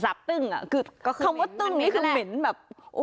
สาปตึ้งอะคือคำว่าตึ้งนี่คือเหม็นแบบโอ้โห